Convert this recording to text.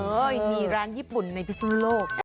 เฮ้ยมีร้านญี่ปุ่นในพฤศนโลก